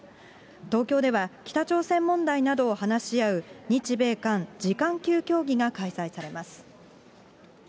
東京では北朝鮮問題などを話し合う、日米韓次官級協議が開催されます。